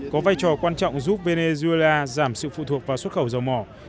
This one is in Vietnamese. có vai trò quan trọng giúp venezuela giảm sự phụ thuộc vào xuất khẩu dầu mỏ